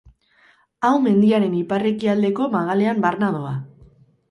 Hau mendiaren ipar-ekialdeko magalean barna doa.